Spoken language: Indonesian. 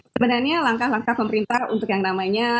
sebenarnya langkah langkah pemerintah untuk yang namanya